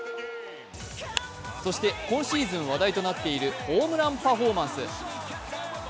そして、今シーズン話題となっているホームランパフォーマンス。